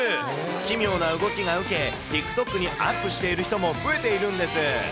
奇妙な動きが受け、ＴｉｋＴｏｋにアップしている人も増えているんです。